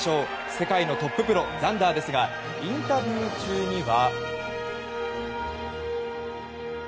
世界のトッププロザンダーですがインタビュー中には。